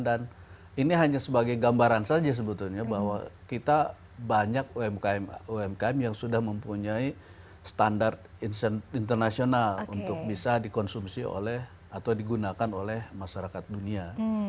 dan ini hanya sebagai gambaran saja sebetulnya bahwa kita banyak umkm yang sudah mempunyai standar internasional untuk bisa dikonsumsi oleh atau digunakan oleh masyarakat dunia